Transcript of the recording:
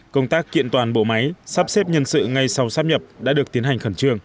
công tác kiện toàn bộ máy sắp xếp nhân sự ngay sau sắp nhập đã được tiến hành khẩn trương